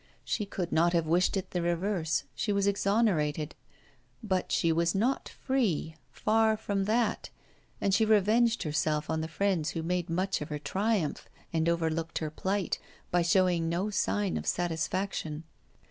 She could not have wished it the reverse; she was exonerated. But she was not free; far from that; and she revenged herself on the friends who made much of her triumph and overlooked her plight, by showing no sign of satisfaction.